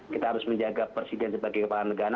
kita harus menjaga presiden sebagai kepala negara